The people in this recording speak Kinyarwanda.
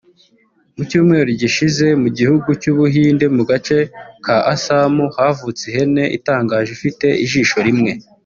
Mu cyumweru gishize mu gihugu cy’u Buhinde mu gace ka Assam havutse ihene itangaje ifite ijisho rimwe